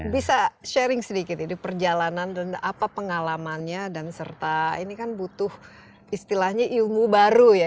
bisa sharing sedikit ya di perjalanan dan apa pengalamannya dan serta ini kan butuh istilahnya ilmu baru ya